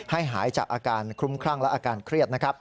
ให้หายจากอาการคลุมคร่างและอาการเครียด